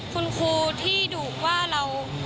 คุณครูที่ดุว่าเรา